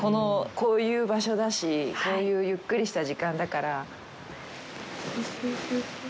こういう場所だしこういうゆっくりした時間だから。